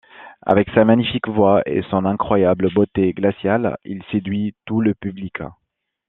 Avec sa magnifique voix et son incroyable beauté glaciale, il séduit tous le public.